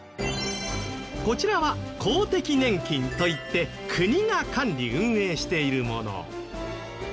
こちらは公的年金といって国が管理・運営しているもの。